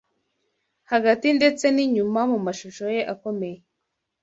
hagati ndetse ninyuma mumashusho ye akomeye